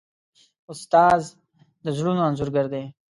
استاد د زړونو انځورګر دی.